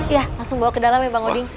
iya langsung bawa ke dalam ya bang odin